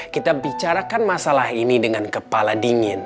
kita bicarakan masalah ini dengan kepala dingin